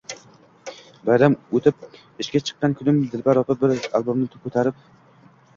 Bayram o`tib, ishga chiqqan kunim Dilbar opa bir albomni ko`tarib